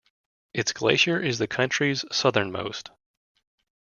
Its glacier is the country's southernmost.